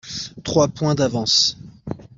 Trois point d'avance.